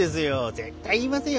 絶対言いませんよ